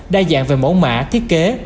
đa dạng về mẫu mã thiết kế